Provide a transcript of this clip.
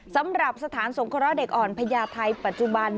สำหรับสถานสงเคราะห์เด็กอ่อนพญาไทยปัจจุบัน